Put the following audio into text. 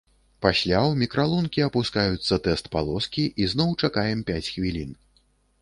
Пасля у мікралункі апускаюцца тэст-палоскі і зноў чакаем пяць хвілін.